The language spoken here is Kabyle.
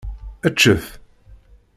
Eččet!